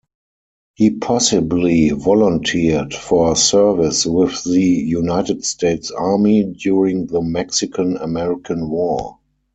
He possibly volunteered for service with the United States Army during the Mexican-American War.